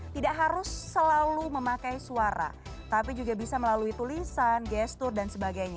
tidak harus selalu memakai suara tapi juga bisa melalui tulisan gestur dan sebagainya